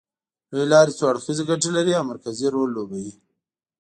لوېې لارې څو اړخیزې ګټې لري او مرکزي رول لوبوي